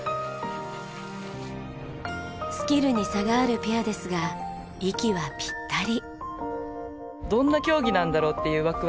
スキルに差があるペアですが息はピッタリ。